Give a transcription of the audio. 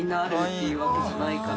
いうわけじゃないから。